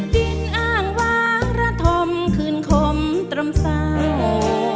ดินอ้างวางระธมคืนคมตรำเสา